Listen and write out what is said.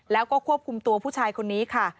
แล้วก็ควบคุมตัวผู้ชายคนนี้ค่ะ